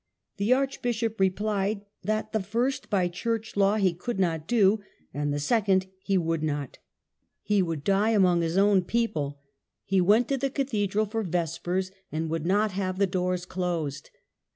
The archbishop replied that the first by church law he could not do, and the second he would not. He would die 24 MURDER OF BECKET. among his own people. He went to the cathedral for vespers, and would not have the doors closed.